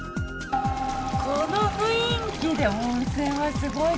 この雰囲気で温泉はすごいですね！